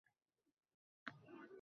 Ayvonda amakim bilan otam o`tiribdi